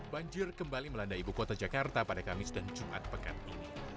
banjir kembali melanda ibu kota jakarta pada kamis dan jumat pekan ini